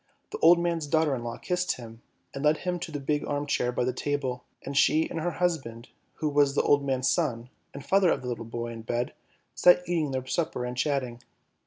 The old man's daughter in law kissed him, and led him to the big arm chair by the table, and she and her husband, who was the old man's son, and father of the little boy in bed, sat eating their supper and chatting.